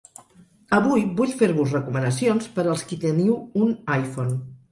Avui vull fer-vos recomanacions per als qui teniu un iPhone.